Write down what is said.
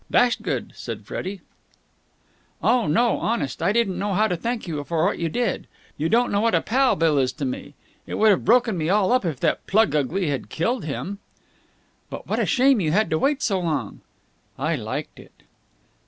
"Dashed good," said Freddie. "Oh, no! Honest, I don't know how to thank you for what you did. You don't know what a pal Bill is to me. It would have broken me all up if that plug ugly had killed him." "But what a shame you had to wait so long." "I liked it."